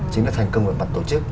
chính là thành công ở mặt tổ chức